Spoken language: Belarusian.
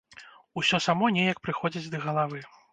Усё само неяк прыходзіць да галавы.